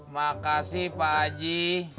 makasih pak haji